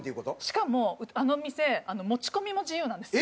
しかもあの店持ち込みも自由なんですよ。